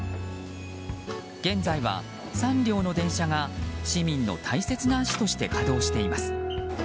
現在は３両の電車が市民の大切な足として稼働しています。